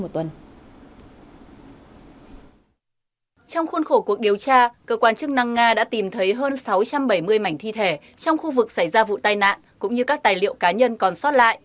trong khuôn khổ cuộc điều tra cơ quan chức năng nga đã tìm thấy hơn sáu trăm bảy mươi mảnh thi thể trong khu vực xảy ra vụ tai nạn cũng như các tài liệu cá nhân còn sót lại